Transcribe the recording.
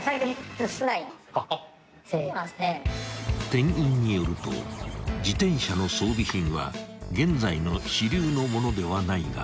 ［店員によると自転車の装備品は現在の主流のものではないが］